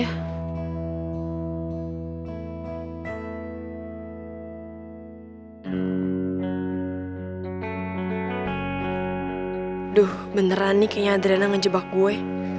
aduh beneran nih kayaknya adrena ngejebak gue